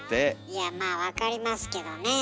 いやまあ分かりますけどね。